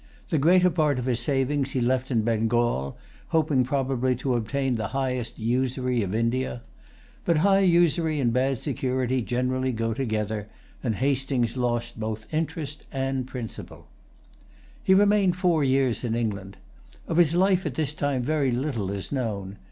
The greater part of his savings he left in Bengal, hoping probably to obtain the high usury of India. But high usury and bad security generally go together; and Hastings lost both interest and principal. He remained four years in England. Of his life at this time very little is known.